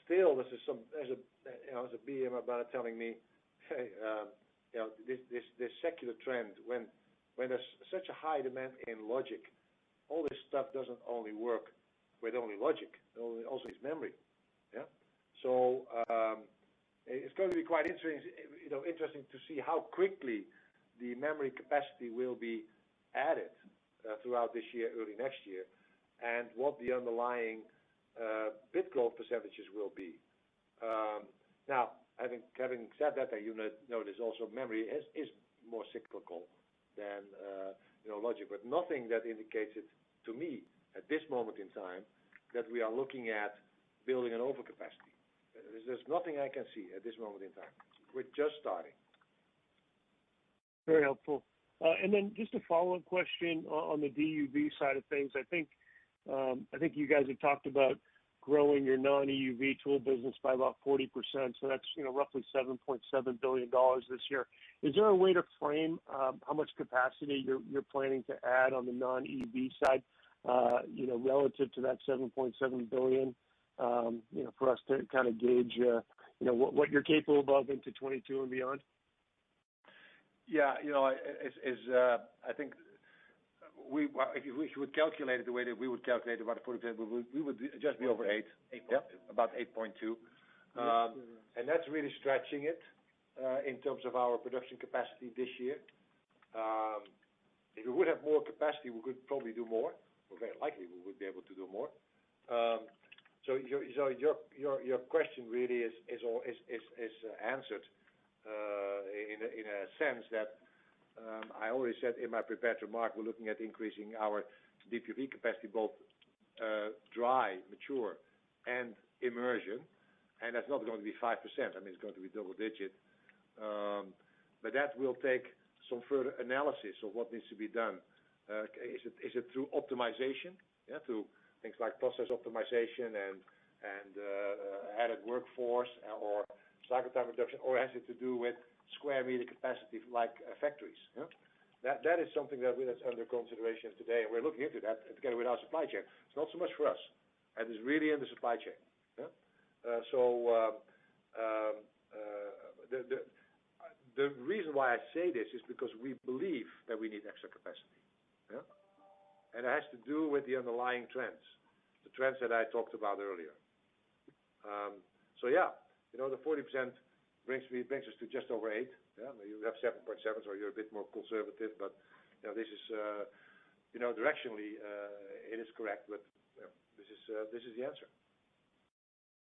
Still, as a BM about it telling me, this secular trend, when there's such a high demand in logic, all this stuff doesn't only work with only logic. Also it's memory. It's going to be quite interesting to see how quickly the memory capacity will be added throughout this year, early next year, and what the underlying bit growth percentages will be. I think having said that, you know there's also memory is more cyclical than logic. Nothing that indicates to me at this moment in time that we are looking at building an overcapacity. There's just nothing I can see at this moment in time. We're just starting. Very helpful. Just a follow-up question on the DUV side of things. I think you guys have talked about growing your non-EUV tool business by about 40%. That's roughly EUR 7.7 billion this year. Is there a way to frame how much capacity you're planning to add on the non-EUV side relative to that 7.7 billion, for us to kind of gauge what you're capable of into 2022 and beyond? Yeah. I think if we would calculate it the way that we would calculate about a product example, we would just be over 8. 8.2. About 8.2. That's really stretching it, in terms of our production capacity this year. If we would have more capacity, we could probably do more, or very likely we would be able to do more. Your question really is answered in a sense that I already said in my prepared remark, we're looking at increasing our Deep UV capacity both dry, mature, and immersion. That's not going to be 5%. I mean, it's going to be double digit. That will take some further analysis of what needs to be done. Is it through optimization? Through things like process optimization and added workforce or cycle time reduction, or has it to do with square meter capacity, like factories? That is something that is under consideration today, and we're looking into that together with our supply chain. It's not so much for us, and it's really in the supply chain. The reason why I say this is because we believe that we need extra capacity. Yeah. It has to do with the underlying trends, the trends that I talked about earlier. Yeah, the 40% brings me, brings us to just over 8. You have 7.7, so you're a bit more conservative, but directionally it is correct, but this is the answer.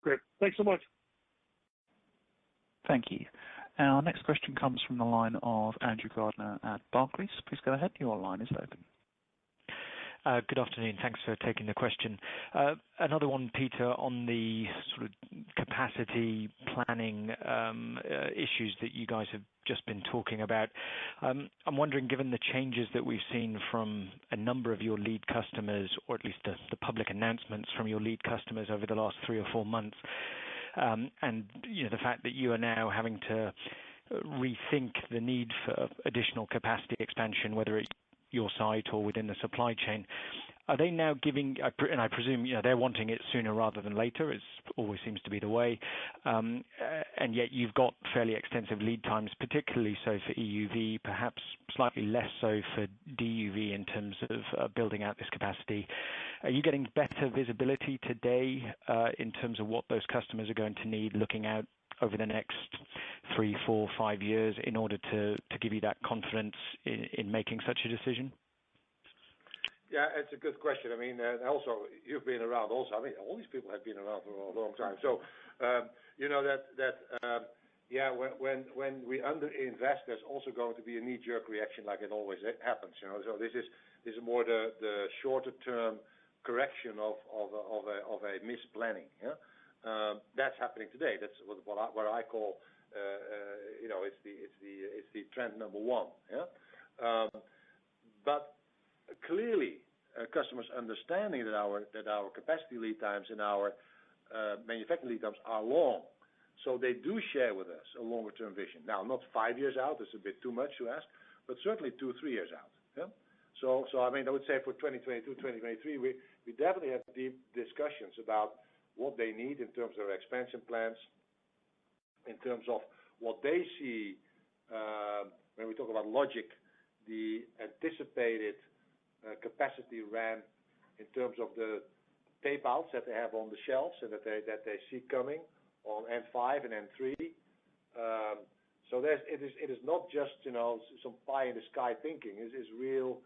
Great. Thanks so much. Thank you. Our next question comes from the line of Andrew Gardiner at Barclays. Please go ahead. Your line is open. Good afternoon. Thanks for taking the question. Another one, Peter, on the sort of capacity planning issues that you guys have just been talking about. I'm wondering, given the changes that we've seen from a number of your lead customers, or at least the public announcements from your lead customers over the last three or four months, and the fact that you are now having to rethink the need for additional capacity expansion, whether it's your site or within the supply chain. I presume they're wanting it sooner rather than later, as always seems to be the way. Yet you've got fairly extensive lead times, particularly so for EUV, perhaps slightly less so for Deep UV in terms of building out this capacity. Are you getting better visibility today, in terms of what those customers are going to need looking out over the next three, four, five years in order to give you that confidence in making such a decision? It's a good question. I mean, also you've been around also. I mean, all these people have been around for a long time. When we under-invest, there's also going to be a knee-jerk reaction, like it always happens. This is more the shorter-term correction of a misplanning. That's happening today. That's what I call it's the trend number one. Clearly, customers understanding that our capacity lead times and our manufacturing lead times are long. They do share with us a longer-term vision. Now, not five years out, that's a bit too much to ask, but certainly two, three years out. I would say for 2022, 2023, we definitely have deep discussions about what they need in terms of expansion plans, in terms of what they see. When we talk about logic, the anticipated capacity ran in terms of the tape outs that they have on the shelves and that they see coming on N5 and N3. It is not just some pie in the sky thinking. It's real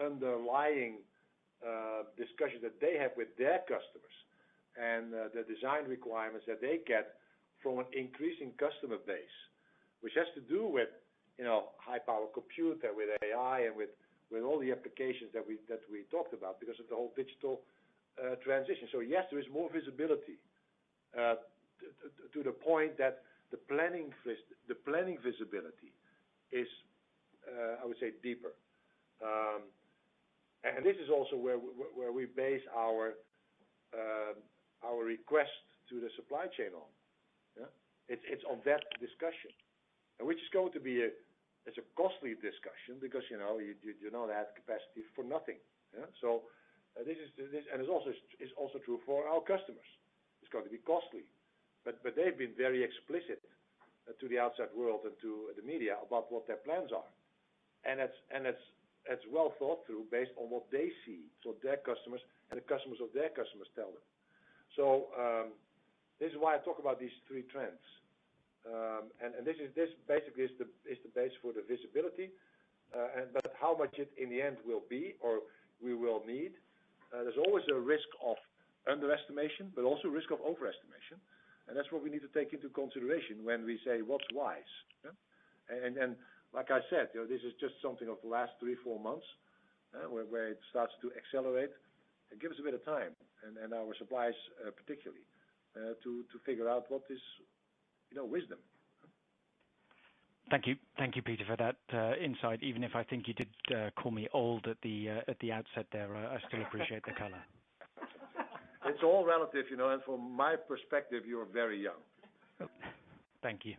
underlying discussion that they have with their customers and the design requirements that they get from an increasing customer base. Which has to do with high-power computer, with AI, and with all the applications that we talked about because of the whole digital transition. Yes, there is more visibility, to the point that the planning visibility is, I would say, deeper. This is also where we base our request to the supply chain on. It's on that discussion. Which is going to be a costly discussion because you don't add capacity for nothing. It's also true for our customers. It's going to be costly, but they've been very explicit to the outside world and to the media about what their plans are. It's well thought through based on what they see. Their customers and the customers of their customers tell them. This is why I talk about these three trends. This basically is the base for the visibility. How much it in the end will be, or we will need, there's always a risk of underestimation, but also risk of overestimation. That's what we need to take into consideration when we say what's wise. Then like I said, this is just something of the last three, four months, where it starts to accelerate. Give us a bit of time, and our suppliers particularly, to figure out what is wisdom. Thank you. Thank you, Peter, for that insight. Even if I think you did call me old at the outset there, I still appreciate the color. It's all relative, and from my perspective, you're very young. Thank you.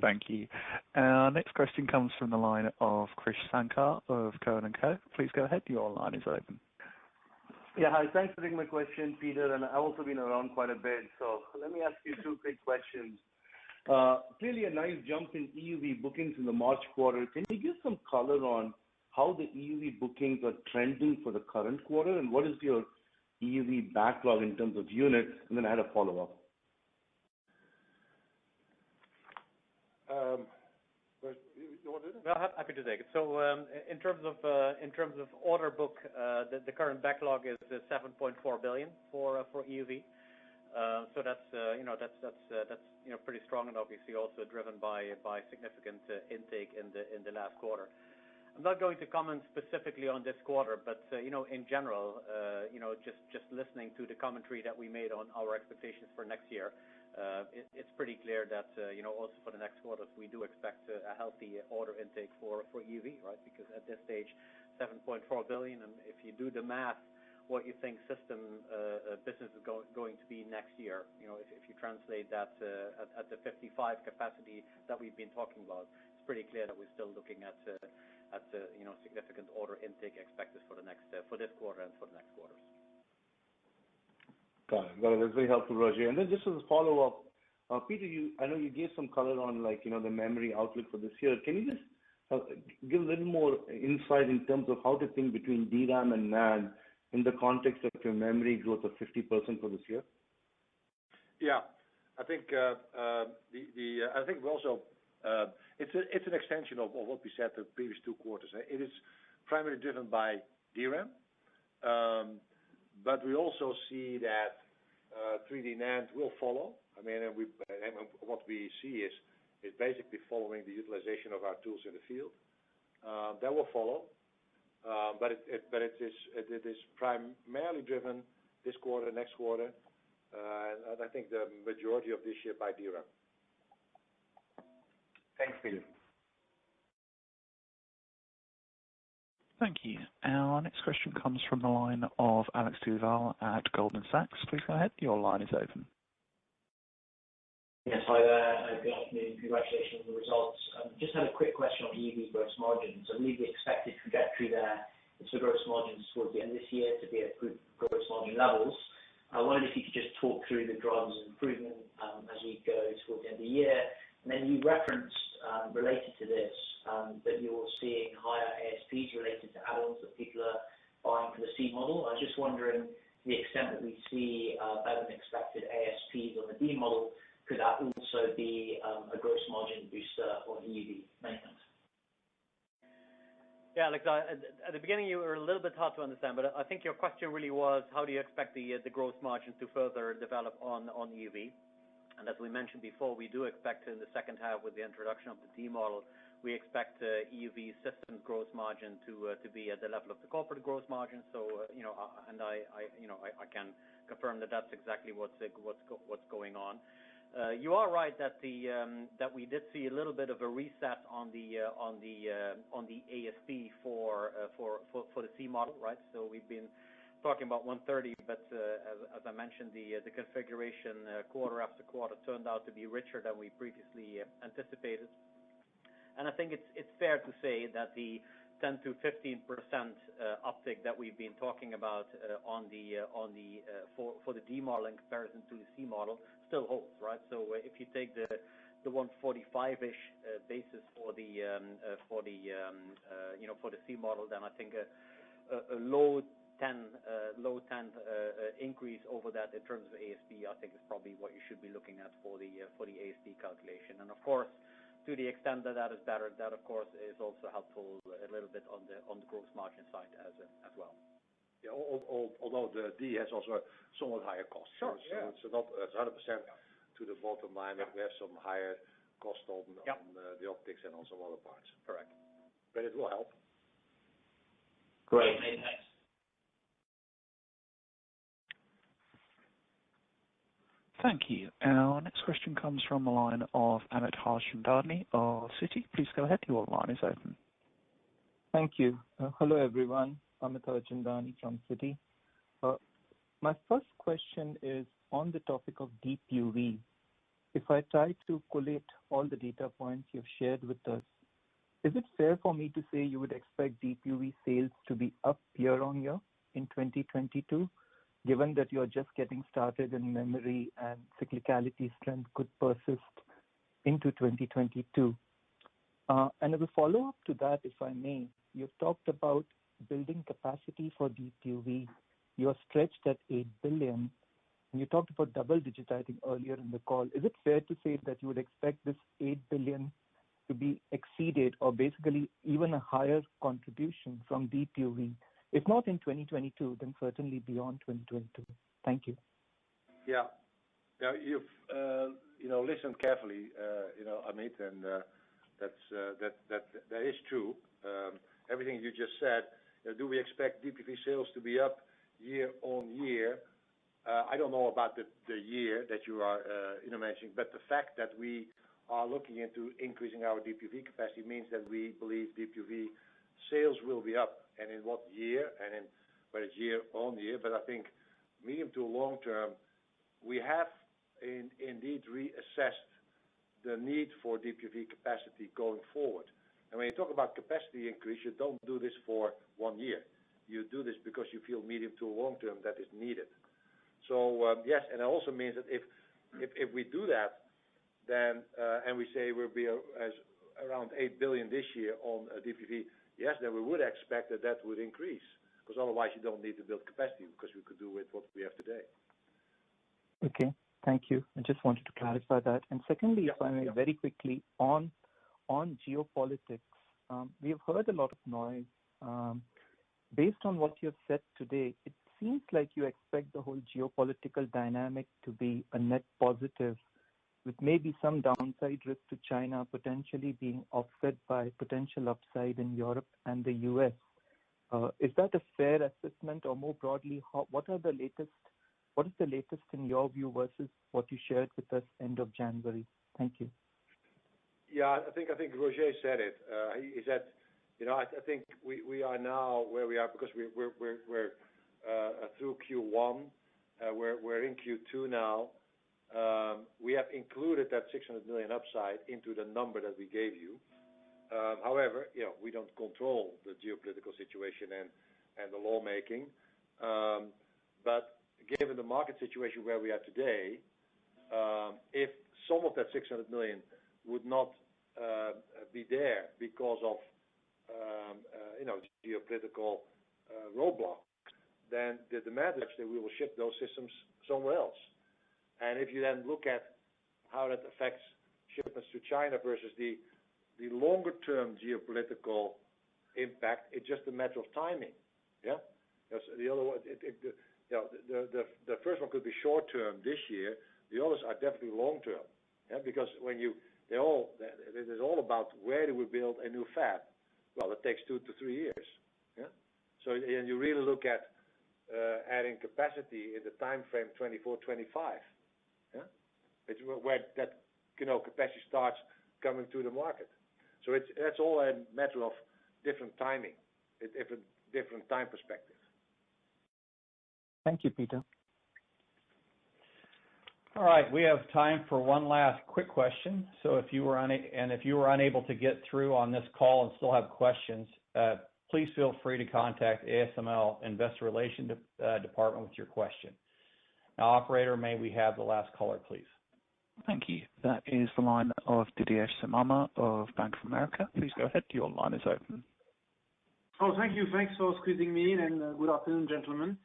Thank you. Our next question comes from the line of Krish Sankar of Cowen and Co. Please go ahead. Your line is open. Hi. Thanks for taking my question, Peter, and I've also been around quite a bit. Let me ask you two quick questions. Clearly a nice jump in EUV bookings in the March quarter. Can you give some color on how the EUV bookings are trending for the current quarter, and what is your EUV backlog in terms of units? I had a follow-up. Roger, do you want to do this? No, happy to take it. In terms of order book, the current backlog is 7.4 billion for EUV. That's pretty strong and obviously also driven by significant intake in the last quarter. I'm not going to comment specifically on this quarter, but, in general, just listening to the commentary that we made on our expectations for next year, it's pretty clear that also for the next quarters, we do expect a healthy order intake for EUV, right? At this stage, 7.4 billion, and if you do the math, what you think system business is going to be next year. If you translate that at the 55 capacity that we've been talking about, it's pretty clear that we're still looking at significant order intake expected for this quarter and for the next quarters. Got it. That's very helpful, Roger. Then just as a follow-up, Peter, I know you gave some color on the memory outlook for this year. Can you just give a little more insight in terms of how to think between DRAM and NAND in the context of your memory growth of 50% for this year? Yeah. It's an extension of what we said the previous two quarters. It is primarily driven by DRAM, but we also see that 3D NAND will follow. What we see is basically following the utilization of our tools in the field. That will follow. It is primarily driven this quarter, next quarter, and I think the majority of this year by DRAM. Thanks, Peter. Thank you. Our next question comes from the line of Alex Duval at Goldman Sachs. Please go ahead. Your line is open. Yes, hi there. Good afternoon. Congratulations on the results. Just had a quick question on EUV gross margins, and really the expected trajectory there. The gross margins towards the end of this year to be at good gross margin levels. I wondered if you could just talk through the drivers of improvement as we go towards the end of the year. You referenced, related to this, that you're seeing higher ASPs related to add-ons that people are buying for the C model. I was just wondering the extent that we see better-than-expected ASPs on the D model. Could that also be a gross margin booster for EUV maintenance? Yeah, Alex, at the beginning, you were a little bit hard to understand, but I think your question really was how do you expect the gross margin to further develop on EUV? As we mentioned before, we do expect in the second half with the introduction of the D model, we expect EUV systems gross margin to be at the level of the corporate gross margin. I can confirm that that's exactly what's going on. You are right that we did see a little bit of a reset on the ASP for the C model, right? We've been talking about 130, but as I mentioned, the configuration quarter after quarter turned out to be richer than we previously anticipated. I think it's fair to say that the 10%-15% uptick that we've been talking about for the D model in comparison to the C model still holds, right? If you take the 145-ish basis for the C model, I think a low 10% increase over that in terms of ASP, I think is probably what you should be looking at for the ASP calculation. Of course, to the extent that that is better, that of course is also helpful a little bit on the gross margin side as well. Yeah. Although the D has also somewhat higher costs. Sure. Yeah. It's not 100% to the bottom line. Yeah. We have some higher costs. Yeah. the optics and also other parts. Correct. It will help. Great. Thanks. Thank you. Our next question comes from the line of Amit Harchandani of Citi. Please go ahead. Your line is open. Thank you. Hello, everyone. Amit Harchandani from Citi. My first question is on the topic of Deep UV. If I try to collate all the data points you've shared with us, is it fair for me to say you would expect Deep UV sales to be up year-on-year in 2022, given that you're just getting started in memory and cyclicality strength could persist into 2022? As a follow-up to that, if I may. You talked about building capacity for Deep UV. You are stretched at 8 billion, and you talked about double digits, I think, earlier in the call. Is it fair to say that you would expect this 8 billion to be exceeded or basically even a higher contribution from Deep UV, if not in 2022, then certainly beyond 2022? Thank you. You've listened carefully, Amit, and that is true. Everything you just said. Do we expect Deep UV sales to be up year-on-year? I don't know about the year that you are mentioning, but the fact that we are looking into increasing our Deep UV capacity means that we believe Deep UV sales will be up, and in what year? In, well, it's year-on-year. I think medium to long term, we have indeed reassessed the need for Deep UV capacity going forward. When you talk about capacity increase, you don't do this for one year. You do this because you feel medium to long term that is needed. Yes, and it also means that if we do that, and we say we'll be around 8 billion this year on Deep UV, yes, then we would expect that would increase, because otherwise you don't need to build capacity, because we could do with what we have today. Okay. Thank you. I just wanted to clarify that. Yeah. If I may, very quickly, on geopolitics. We have heard a lot of noise. Based on what you have said today, it seems like you expect the whole geopolitical dynamic to be a net positive with maybe some downside risk to China potentially being offset by potential upside in Europe and the U.S. Is that a fair assessment? More broadly, what is the latest in your view versus what you shared with us end of January? Thank you. Yeah, I think Roger said it. He said, I think we are now where we are because we're through Q1. We're in Q2 now. We have included that 600 million upside into the number that we gave you. We don't control the geopolitical situation and the lawmaking. Given the market situation where we are today, if some of that 600 million would not be there because of geopolitical roadblocks, the demand is actually we will ship those systems somewhere else. If you look at how that affects shipments to China versus the longer-term geopolitical impact, it's just a matter of timing. Yeah? The first one could be short term this year. The others are definitely long term. Yeah? It is all about where do we build a new fab. Well, it takes two to three years. Yeah? You really look at adding capacity in the timeframe 2024, 2025. Yeah? It's where that capacity starts coming to the market. That's all a matter of different timing, different time perspective. Thank you, Peter. All right. We have time for one last quick question. If you were unable to get through on this call and still have questions, please feel free to contact ASML Investor Relation department with your question. Now, operator, may we have the last caller, please? Thank you. That is the line of Didier Scemama of Bank of America. Please go ahead. Your line is open. Thank you. Thanks for squeezing me in. Good afternoon, gentlemen.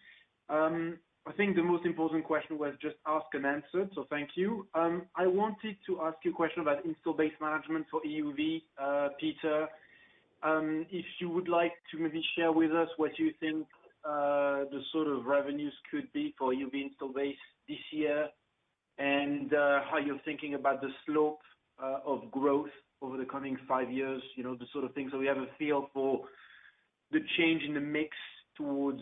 I think the most important question was just asked and answered. Thank you. I wanted to ask you a question about install base management for EUV. Peter, if you would like to maybe share with us what you think the sort of revenues could be for EUV install base this year. How you're thinking about the slope of growth over the coming five years. The sort of thing, we have a feel for the change in the mix towards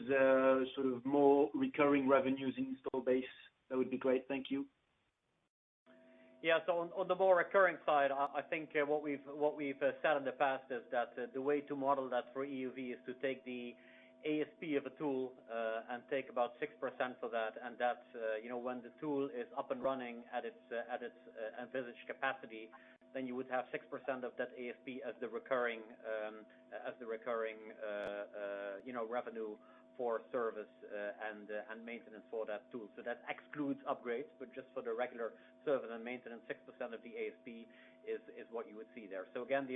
sort of more recurring revenues install base. That would be great. Thank you. Yeah. On the more recurring side, I think what we've said in the past is that the way to model that for EUV is to take the ASP of a tool and take about 6% for that. When the tool is up and running at its envisaged capacity, you would have 6% of that ASP as the recurring revenue for service and maintenance for that tool. That excludes upgrades, but just for the regular service and maintenance, 6% of the ASP is what you would see there. Again,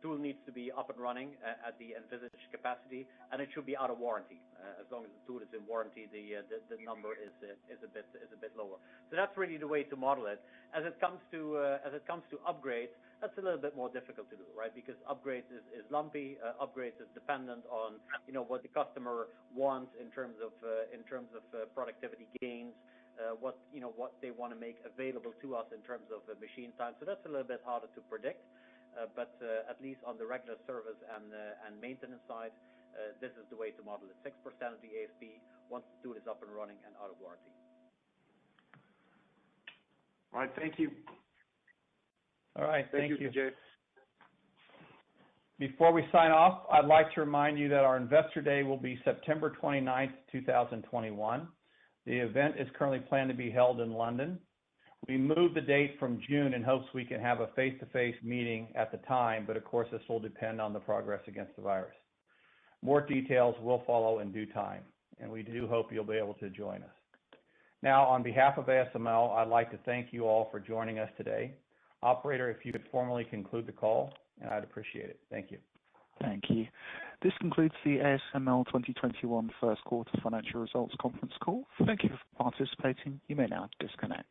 the assumption, tool needs to be up and running at the envisaged capacity, and it should be out of warranty. As long as the tool is in warranty, the number is a bit lower. That's really the way to model it. As it comes to upgrades, that's a little bit more difficult to do, right? Upgrades is lumpy. Upgrades is dependent on what the customer wants in terms of productivity gains, what they want to make available to us in terms of machine time. That's a little bit harder to predict. At least on the regular service and maintenance side, this is the way to model it. 6% of the ASP, once the tool is up and running and out of warranty. All right. Thank you. All right. Thank you. Thank you, Didier. Before we sign off, I'd like to remind you that our Investor Day will be September 29th, 2021. The event is currently planned to be held in London. We moved the date from June in hopes we can have a face-to-face meeting at the time. Of course, this will depend on the progress against the virus. More details will follow in due time. We do hope you'll be able to join us. Now, on behalf of ASML, I'd like to thank you all for joining us today. Operator, if you could formally conclude the call, I'd appreciate it. Thank you. Thank you. This concludes the ASML 2021 first quarter financial results conference call. Thank you for participating. You may now disconnect.